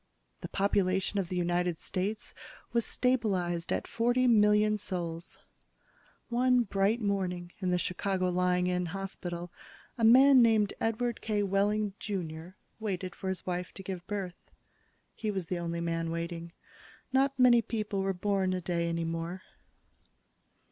The population of the United States was stabilized at forty million souls. One bright morning in the Chicago Lying in Hospital, a man named Edward K. Wehling, Jr., waited for his wife to give birth. He was the only man waiting. Not many people were born a day any more.